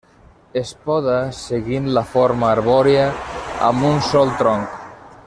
Es poda seguint la forma arbòria amb un sol tronc.